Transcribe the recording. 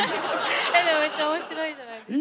でもめっちゃ面白いじゃないですか。